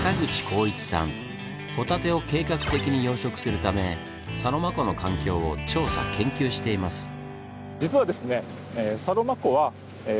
ホタテを計画的に養殖するためサロマ湖の環境を調査研究しています。